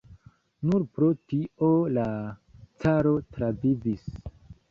Nur pro tio la caro travivis.